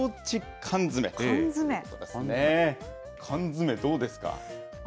缶詰、どうですか。